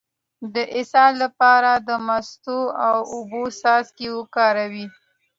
د اسهال لپاره د مستو او اوبو څاڅکي وکاروئ